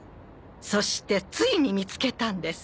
そしてついに見つけたんです。